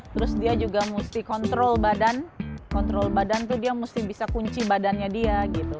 terus dia juga mesti kontrol badan kontrol badan tuh dia mesti bisa kunci badannya dia gitu